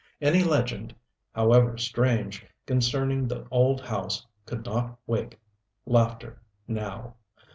Any legend however strange concerning the old house could not wake laughter now.